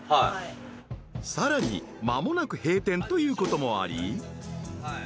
［さらに間もなく閉店ということもあり］